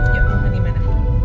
ya mau ke dimana